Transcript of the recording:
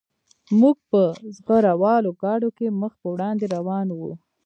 موږ په زغره والو ګاډو کې مخ په وړاندې روان وو